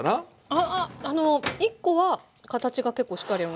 ああ１コは形が結構しっかりあります。